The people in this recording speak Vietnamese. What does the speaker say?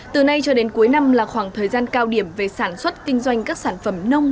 từ nay cho đến cuối năm là khoảng thời gian cao điểm về sản xuất kinh doanh các sản phẩm nông